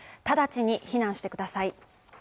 直ちに避難してください。